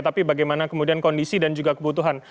tapi bagaimana kemudian kondisi dan juga kebutuhan